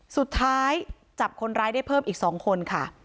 สุดท้ายจับคนร้ายได้เพิ่มอีก๒คนค่ะ